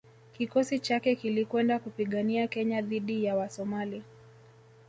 Kikosi chake kilikwenda kupigania Kenya dhidi ya Wasomali